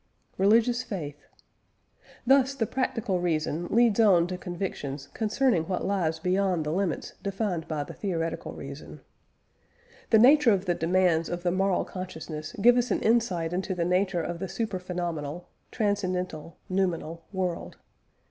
RELIGIOUS FAITH. Thus the "practical reason" leads on to convictions concerning what lies beyond the limits defined by the "theoretical reason." The nature of the demands of the moral consciousness give us an insight into the nature of the super phenomenal (transcendental, noumenal) world.